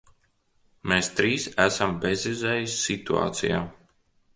Mēs trīs esam bezizejas situācijā.